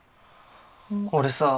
俺さ。